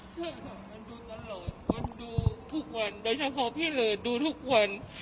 ใช่ค่ะมันดูตลอดมันดูทุกวันโดยเฉพาะพี่เลิศดูทุกวัน